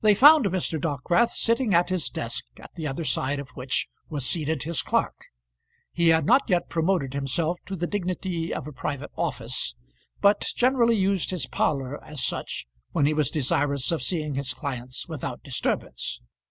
They found Mr. Dockwrath sitting at his desk at the other side of which was seated his clerk. He had not yet promoted himself to the dignity of a private office, but generally used his parlour as such when he was desirous of seeing his clients without disturbance.